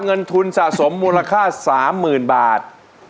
เงินทุนสะสมมูลค่า๓๐๐๐บาท